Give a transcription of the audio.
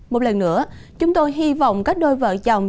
một lần nữa chúng tôi hy vọng các đôi vợ chồng